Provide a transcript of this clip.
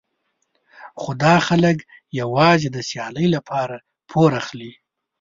خو دا خلک یوازې د سیالۍ لپاره پور اخلي.